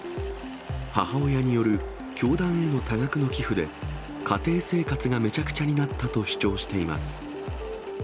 母親による教団への多額の寄付で、家庭生活がめちゃくちゃになったと主張しています。